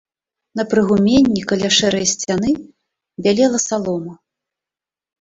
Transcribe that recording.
На прыгуменні, каля шэрай сцяны, бялела салома.